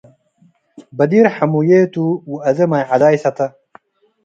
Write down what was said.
በዲር ሐሙዬ ቱ ወአዜ ማይ ዐዳይ ሰተ።